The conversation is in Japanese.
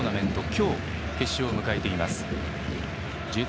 今日、決勝を迎えています。